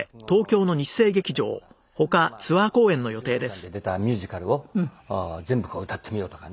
あとまあ５０年間で出たミュージカルを全部歌ってみようとかね。